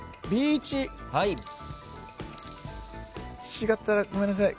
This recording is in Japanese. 違ったらごめんなさい。